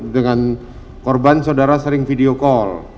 dengan korban saudara sering video call